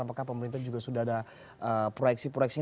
apakah pemerintah juga sudah ada proyeksi proyeksi